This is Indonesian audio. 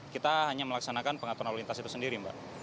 kita hanya melaksanakan pengaturan lalu lintas itu sendiri mbak